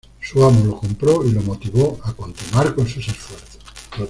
Su amo lo compró y lo motivó a continuar con sus esfuerzos.